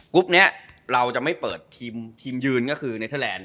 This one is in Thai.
กรุ๊ปเนี้ยเราจะไม่เปิดทีมยืนก็คือเน็ตเทอร์แลนด์